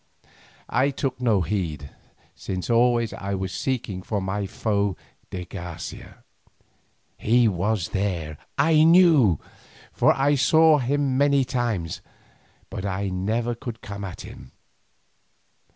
I took no heed, since always I was seeking for my foe de Garcia. He was there I knew, for I saw him many times, but I could never come at him.